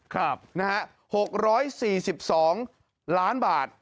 ๖นะฮะ๖๔๒ล้านบาท